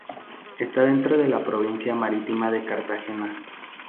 Está dentro de la provincia marítima de Cartagena.